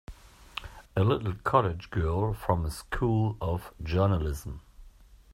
A little college girl from a School of Journalism!